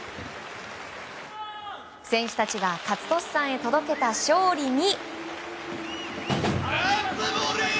選手たちが勝利さんへ届けた勝利に。